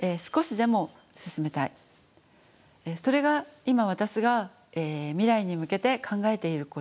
それが今私が未来に向けて考えていることです。